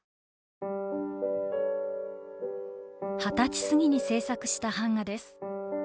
二十歳過ぎに制作した版画です。